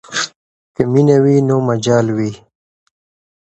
که مینه وي نو مجال وي.